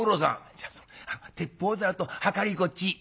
「じゃあその鉄砲ざるとはかりこっち」。